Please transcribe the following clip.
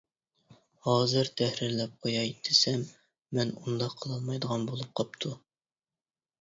ھازىر تەھرىرلەپ قوياي، دېسەم، مەن ئۇنداق قىلالمايدىغان بولۇپ قاپتۇ.